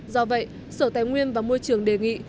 do vậy sở tài nguyên và môi trường đề nghị